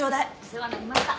お世話になりました。